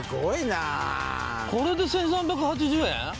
これで１３８０円？